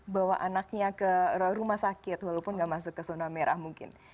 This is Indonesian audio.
bawa anaknya ke rumah sakit walaupun nggak masuk ke zona merah mungkin